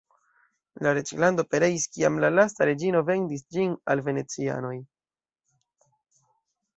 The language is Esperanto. La reĝlando pereis, kiam la lasta reĝino vendis ĝin al venecianoj.